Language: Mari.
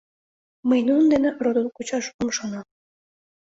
Мый нунын дене родо кучаш ом шоно.